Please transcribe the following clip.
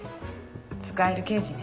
使える刑事ね。